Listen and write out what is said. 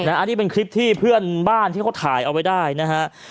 อันนี้เป็นคลิปที่เพื่อนบ้านที่เขาถ่ายเอาไว้ได้นะฮะ